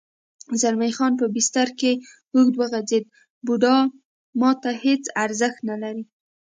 زلمی خان په بستره کې اوږد وغځېد: بوډا ما ته هېڅ ارزښت نه لري.